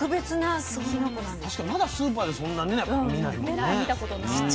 確かにまだスーパーでそんなね見ないもんね。